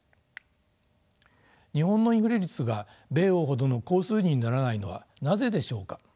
日本のインフレ率が米欧ほどの高水準にならないのはなぜでしょうか。